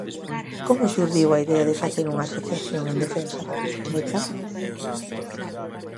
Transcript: Como xurdiu a idea de facer unha asociación en defensa da bicicleta?